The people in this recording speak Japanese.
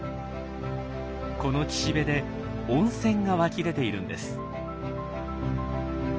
この岸辺で温泉が湧き出ているんです。